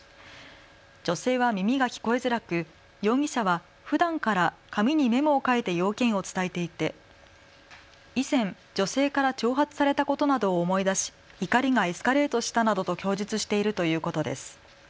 女性は耳が聞こえづらく容疑者はふだんから紙にメモを書いて要件を伝えていて以前、女性から挑発されたことなどを思い出し、怒りがエスカレートしたなどと供述しているということです。